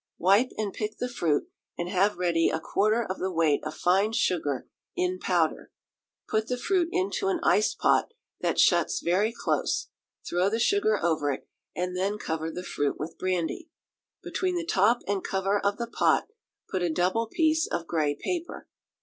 Wipe and pick the fruit, and have ready a quarter of the weight of fine sugar in powder. Put the fruit into an ice pot that shuts very close; throw the sugar over it, and then cover the fruit with brandy. Between the top and cover of the pot put a double piece of grey paper.